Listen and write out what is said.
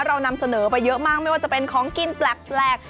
เรานำเสนอไปเยอะมากไม่ว่าจะเป็นของกินแปลก